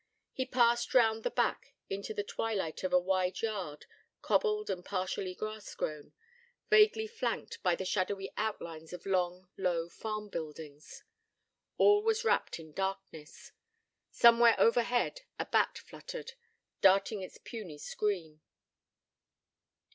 He passed round the back into the twilight of a wide yard, cobbled and partially grass grown, vaguely flanked by the shadowy outlines of long, low farm buildings. All was wrapped in darkness: somewhere overhead a bat fluttered, darting its puny scream.